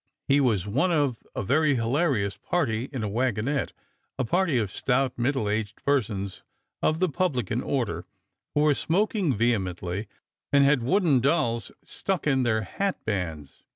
He was one of a very hilarious party in a wagonette, a party of stout middle aged persons of the publican order, who were smoking veheuiently, and had wooden dolls stuck in their hatbands.